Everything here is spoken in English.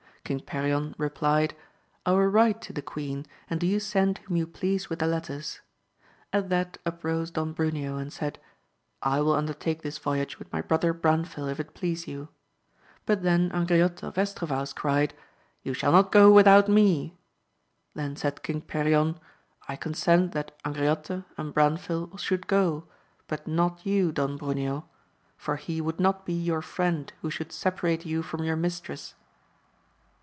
King Perion replied, I will write to the queen, and do you send whom you AMADIS OF GAUL 263 please with the letters : at that uprose Don Bruneo and said, I will undertake this voyage with my brother Branfil, if it please you ; but then Angriote of Estra vaus cried, You shall not go without me : then said King Perion, I consent that Angriote and Branfil should go, but not you Don Bruneo ; for he would not be your friend who should separate you from your mistress.